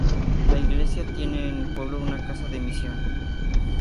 La Iglesia tiene en el pueblo una casa de misión.